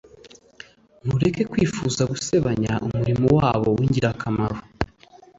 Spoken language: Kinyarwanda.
ntureke kwifuza gusebanya umurimo wabo w'ingirakamaro,